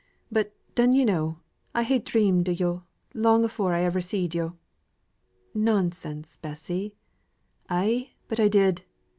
But dun yo' know, I ha' dreamt of yo', long afore ever I seed yo'." "Nonsense, Bessy!" "Ay, but I did.